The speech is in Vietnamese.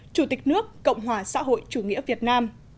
chủ tịch nước cộng hòa xã hội chủ nghĩa việt nam